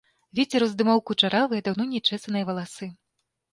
Вецер уздымаў кучаравыя, даўно не чэсаныя валасы.